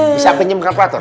bisa penyemprotkan apa tuh